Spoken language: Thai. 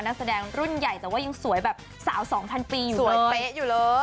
นักแสดงรุ่นใหญ่แต่ว่ายังสวยแบบสาว๒๐๐ปีอยู่สวยเป๊ะอยู่เลย